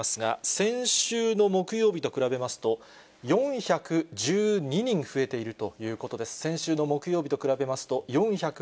先週の木曜日と比べますと、４１２人増えているということです。